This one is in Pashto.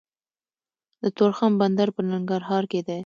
د تورخم بندر په ننګرهار کې دی